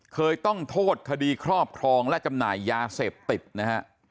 เคยต้องโทษคดีครอบครองและจำหน่ายยาเสพติดนะฮะ